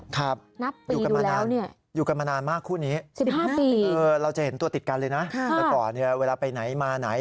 ครับอยู่กันมานานมากคู่นี้๑๕ปีเราจะเห็นตัวติดกันเลยนะแล้วก่อนเวลาไปไหนมาไหน